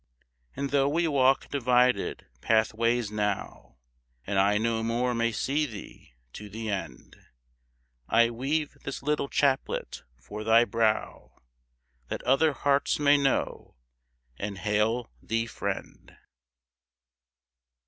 And though we walk divided pathways now, And I no more may see thee, to the end, I weave this little chaplet for thy brow, That other hearts may know, and hail thee friend.